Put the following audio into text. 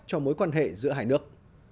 cho mối quan hệ giữa hải nước